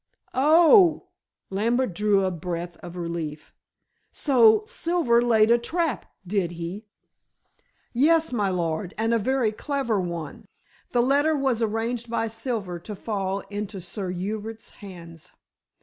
"Oh," Lambert drew a breath of relief, "so Silver laid a trap, did he?" "Yes, my lord, and a very clever one. The letter was arranged by Silver to fall into Sir Hubert's hands.